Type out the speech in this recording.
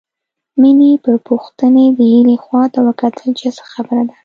مينې په پوښتنې د هيلې خواته وکتل چې څه خبره ده